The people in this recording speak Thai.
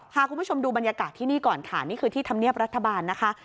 พาคุณผู้ชมดูบรรยากาศที่นี่ก่อนค่ะนี่คือที่ธรรมเนียบรัฐบาลนะคะ